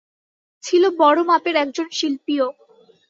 ছিল বড় মাপের একজন শিল্পীও।